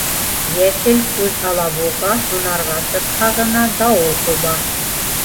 Йәшел күҙ алабуға һунарға сыҡһа ғына дауыл ҡуба.